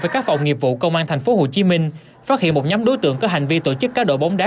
với các phòng nghiệp vụ công an tp hcm phát hiện một nhóm đối tượng có hành vi tổ chức cá độ bóng đá